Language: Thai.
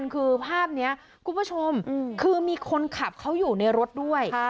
มีประชาชนในพื้นที่เขาถ่ายคลิปเอาไว้ได้ค่ะ